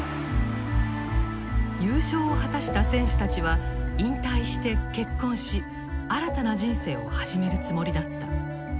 優勝を果たした選手たちは引退して結婚し新たな人生を始めるつもりだった。